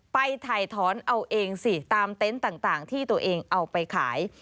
ไปถ่ายถอนเอาเองสิตามเต็นต์ต่างที่ตัวเองเอาไปขาย